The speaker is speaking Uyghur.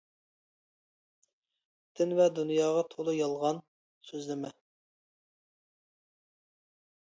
دىن ۋە دۇنياغا تولا يالغان سۆزلىمە!